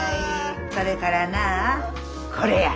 それからなこれや。